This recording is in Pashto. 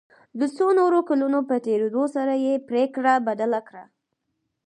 د څو نورو کلونو په تېرېدو سره یې پريکړه بدله کړه.